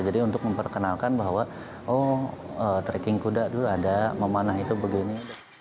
jadi untuk memperkenalkan bahwa tracking kuda itu ada memanah itu begini